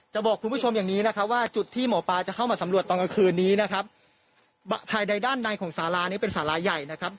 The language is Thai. บอกคุณผู้ชมอย่างนี้นะครับว่าจุดที่หมอปลาจะเข้ามาสำรวจตอนกลางคืนนี้นะครับภายในด้านในของสารานี้เป็นสาราใหญ่นะครับ